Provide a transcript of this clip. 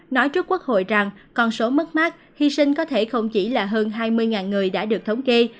nói trước quốc hội rằng con số mất mát hy sinh có thể không chỉ là hơn hai mươi người đã được thống kê